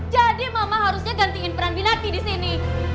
jadi mama harusnya gantiin peran binati di sini